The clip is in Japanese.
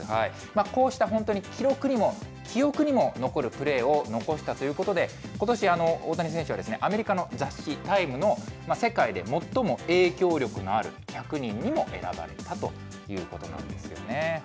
こうした本当に記録にも記憶にも残るプレーを残したということで、ことし、大谷選手はアメリカの雑誌、タイムの、世界で最も影響力のある１００人にも選ばれたということなんですよね。